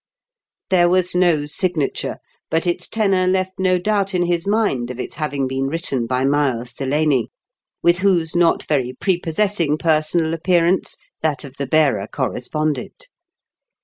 There was no signature, but its tenor left no doubt in his mind of its having been written by Miles Delaney, with whose not very prepossessing personal appearance that of the bearer corresponded.